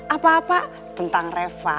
apa apa tentang reva